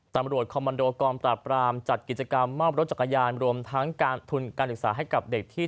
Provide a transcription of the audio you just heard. ท่านมรวจคอมมันโดกองประกราบ